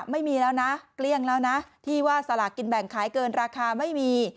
ไม่มีแล้วนะเกลี้ยงแล้วนะที่ว่าสลากกินแบ่งขายเกินราคาไม่มี